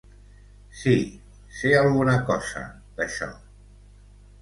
Sí, sé alguna cosa d'això.